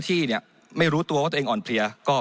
มันตรวจหาได้ระยะไกลตั้ง๗๐๐เมตรครับ